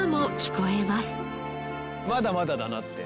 まだまだだなって。